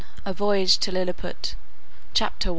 A VOYAGE TO LILLIPUT. CHAPTER I.